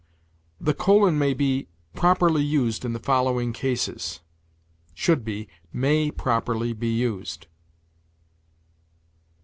"The colon may be properly used in the following cases": should be, "may properly be used."